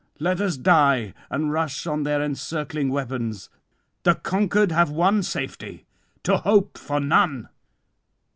Let us die, and rush on their encircling weapons. The conquered have one safety, to hope for none."